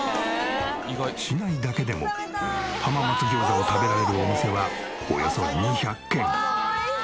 市内だけでも浜松餃子を食べられるお店はおよそ２００軒。